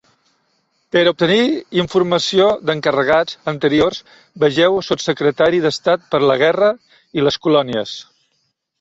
Per obtenir informació d'encarregats anteriors, vegeu Sotssecretari d'Estat per la Guerra i les Colònies.